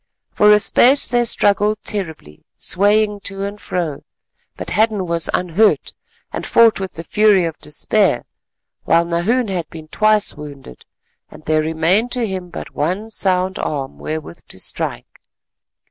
For a space they struggled terribly, swaying to and fro, but Hadden was unhurt and fought with the fury of despair, while Nahoon had been twice wounded, and there remained to him but one sound arm wherewith to strike.